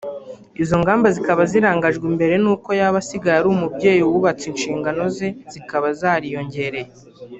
izo mpamvu zikaba zirangajwe imbere nuko yaba asigaye ari umubyeyi wubatse inshingano ze zikaba zariyongereye